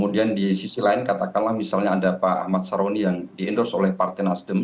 dan di sisi lain katakanlah misalnya ada pak ahmad saroni yang di endorse oleh partai nasdem